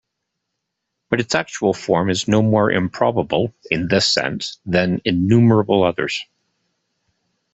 But its actual form is no more improbable, in this sense, than innumerable others.